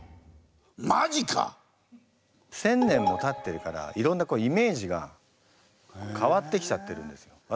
１，０００年もたってるからいろんなイメージが変わってきちゃってるんですよ。